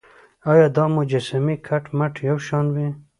ایا دا مجسمې کټ مټ یو شان وې.